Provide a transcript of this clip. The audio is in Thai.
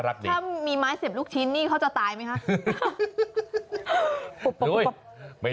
ถ้ามีไม้เสียบลูกชิ้นนี่เขาจะตายไหมคะ